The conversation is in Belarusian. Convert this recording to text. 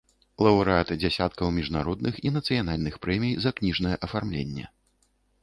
Лаўрэат дзясяткаў міжнародных і нацыянальных прэмій за кніжнае афармленне.